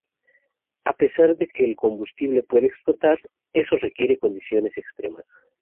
A pesar de que el combustible puede explotar, eso requiere condiciones extremas.